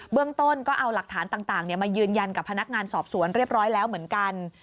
เรื่องต้นก็เอาหลักฐานต่างมายืนยันกับพนักงานสอบสวนเรียบร้อยแล้วเหมือนกัน